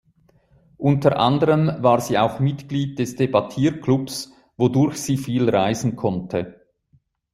Unter anderem war sie auch Mitglied des Debattierclubs, wodurch sie viel reisen konnte.